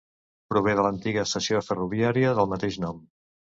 Prové de l'antiga estació ferroviària del mateix nom.